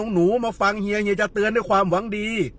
หนูมาฟังเฮียเฮียจะเตือนด้วยความหวังดี